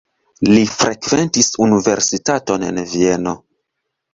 Li frekventis universitaton en Vieno.